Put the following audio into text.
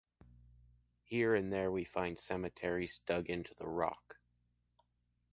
Here and there we find cemeteries dug into the rock.